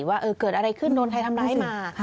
ว่าเกิดอะไรขึ้นโดนใครทำร้ายมา